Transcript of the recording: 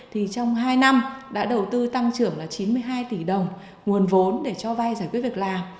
thì trong hai năm đã đầu tư tăng trưởng là chín mươi hai tỷ đồng nguồn vốn để cho vay giải quyết việc làm